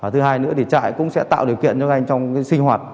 thứ hai nữa thì trại cũng sẽ tạo điều kiện cho các anh trong sinh hoạt